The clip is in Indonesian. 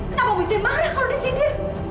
kenapa mesti marah kalau disini